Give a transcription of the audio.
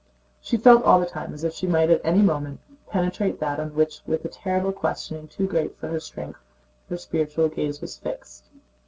She felt all the time as if she might at any moment penetrate that on which—with a terrible questioning too great for her strength—her spiritual gaze was fixed.